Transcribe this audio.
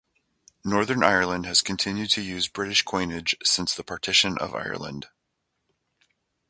Northern Ireland has continued to use British coinage since the partition of Ireland.